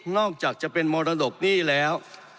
อกจากจะเป็นมรดกหนี้แล้ว